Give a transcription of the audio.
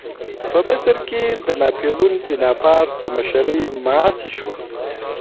په مصر کې د ناپلیون بناپارټ په مشرۍ ماتې شوه.